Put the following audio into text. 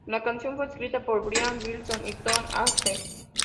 La canción fue escrita por Brian Wilson y Tony Asher.